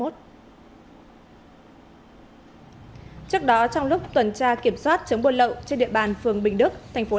trước đó trong lúc tuần tra kiểm soát chấm buôn lậu trên địa bàn phường bình đức